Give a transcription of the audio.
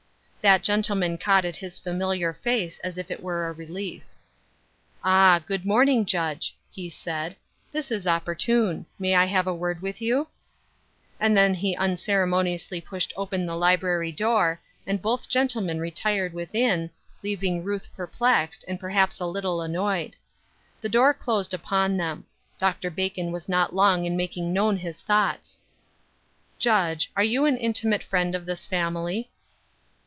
That gentleman caught at his familiar face, as if it were a relief. Ah, good morning. Judge," he said. " This is opportune. May I have a word with you ?" And then he unceremoniously pushed open the library door, and both gentlemen retired within, leaving Ruth perplexed, and perhaps a little annoyed. The door closed upon them. Dr. Bacon was not long in making known his thoughts ;" Judge, are you an intimate friend of this family?"